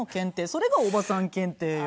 それがおばさん検定よ。